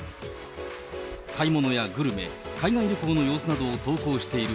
買い物やグルメ、海外旅行の様子などを投稿している